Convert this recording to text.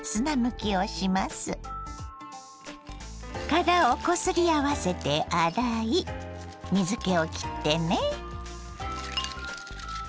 殻をこすり合わせて洗い水けを切ってね。